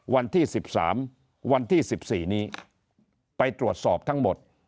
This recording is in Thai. วันที่๑๓วันที่๑๔นี้ไปตรวจสอบทั้งหมด